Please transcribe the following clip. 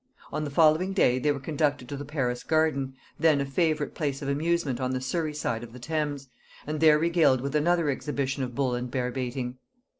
On the following day they were conducted to the Paris Garden, then a favorite place of amusement on the Surry side of the Thames, and there regaled with another exhibition of bull and bear baiting.